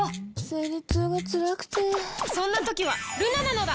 生理痛がつらくてそんな時はルナなのだ！